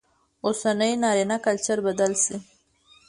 اوسنى نارينه کلچر بدل شي